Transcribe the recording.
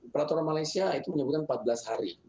peraturan malaysia itu menyebutkan empat belas hari